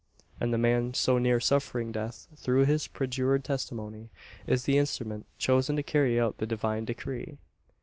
And the man, so near suffering death through his perjured testimony, is the instrument chosen to carry out the Divine decree!